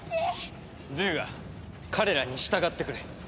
ドゥーガ彼らに従ってくれ。